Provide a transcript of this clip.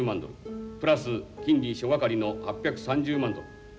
プラス金利諸掛の８３０万ドル。